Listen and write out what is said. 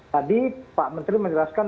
tadi pak menteri menjelaskan